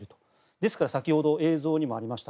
ですから先ほど映像にもありました